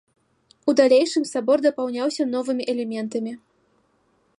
У далейшым сабор дапаўняўся новымі элементамі.